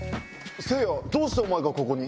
せいやどうしてお前がここに？